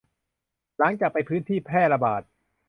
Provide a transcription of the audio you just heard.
หลังจากไปพื้นที่แพร่ระบาด